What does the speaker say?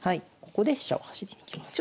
ここで飛車を走りにいきます。